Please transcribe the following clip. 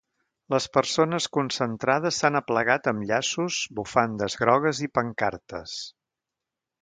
Les persones concentrades s’han aplegat amb llaços, bufandes grogues i pancartes.